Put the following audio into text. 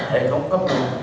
hệ thống pháp luật